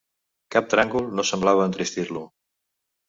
Cap tràngol no semblava entristir-lo.